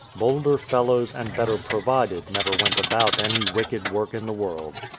Bolder fellows, and better provided, never went about any wicked work in the world.